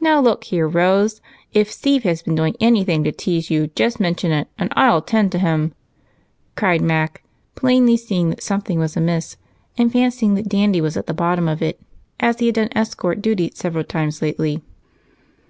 "Now look here, Rose if Steve has been doing anything to tease you, just mention it and I'll attend to him," cried Mac, plainly seeing that something was amiss and fancying that Dandy was at the bottom of it, as he had done escort duty several times lately.